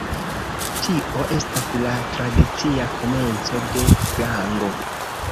Tio estas la tradicia komenco de Gango.